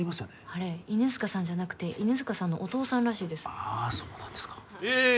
あれ犬塚さんじゃなくて犬塚さんのお父さんらしいですああそうなんですかええ